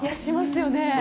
しますよね。